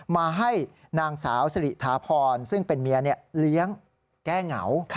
มาให้นางสาวสิริถาพรซึ่งเป็นเมียเลี้ยงแก้เหงา